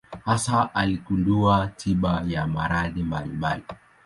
Hasa aligundua tiba ya maradhi mbalimbali.